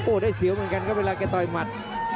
โอ้ได้เสียวเหมือนกันก็เวลาเขาต่อยหมัด